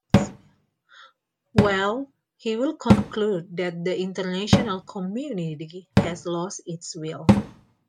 Well, he will conclude that the international community has lost its will.